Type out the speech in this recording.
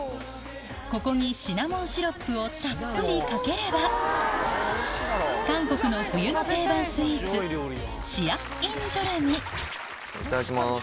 ここにシナモンシロップをたっぷりかければ韓国の冬の定番スイーツいただきます。